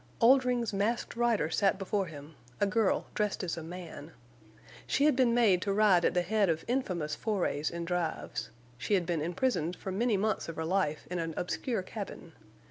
Oldring's Masked Rider sat before him, a girl dressed as a man. She had been made to ride at the head of infamous forays and drives. She had been imprisoned for many months of her life in an obscure cabin.